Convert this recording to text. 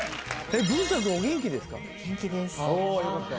文太くんお元気ですか？